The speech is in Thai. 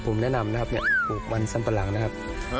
ผมแนะนำปลูกมันซัมปะหลังนะครับ